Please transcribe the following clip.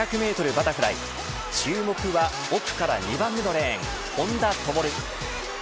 バタフライ注目は奥から２番目のレーン本多灯。